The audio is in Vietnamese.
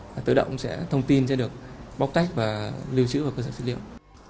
và tự động sẽ thông tin sẽ được bóc tách và lưu trữ vào cơ sở dữ liệu